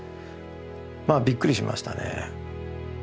まあびっくりしましたね。